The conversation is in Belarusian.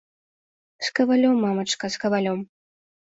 З кавалём, мамачка, з кавалём.